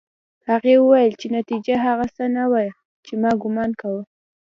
هغې وویل چې نتيجه هغه څه نه وه چې ما ګومان کاوه